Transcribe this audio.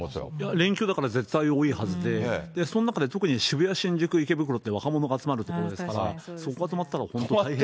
連休だから絶対多いはずで、その中で特に渋谷、新宿、池袋って、若者が集まる所ですから、そこが止まったら、本当大変。